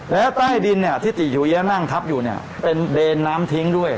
และใต้ดินที่ติจุเอี๊ยะนั่งทับอยู่เป็นเดนน้ำถิงด้วย